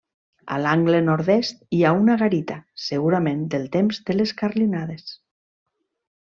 A l'angle nord-est hi ha una garita, segurament del temps de les carlinades.